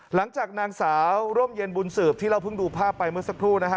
หลังจากนางสาวร่มเย็นบุญสืบที่เราเพิ่งดูภาพไปเมื่อสักครู่นะฮะ